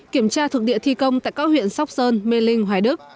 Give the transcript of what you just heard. kiểm tra thực địa thi công tại các huyện sóc sơn mê linh hoài đức